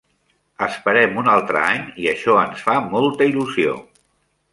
Esperem un altre any i això ens fa molta il·lusió.